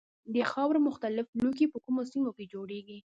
د خاورو مختلف لوښي په کومه سیمه کې جوړیږي.